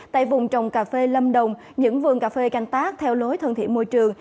tại vùng trồng cà phê lâm đồng những vườn cà phê canh tác theo lối thân thiện môi trường